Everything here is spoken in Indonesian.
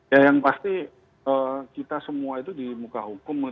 ya yang pasti kita semua itu di muka hukum